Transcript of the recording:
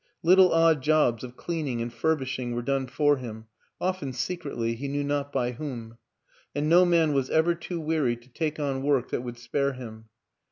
Little odd jobs of cleaning and furbishing were done for him often secretly, he knew not by whom and no man was ever too weary to take on work that would spare him.